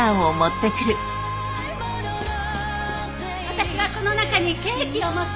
私はこの中にケーキを持って隠れます！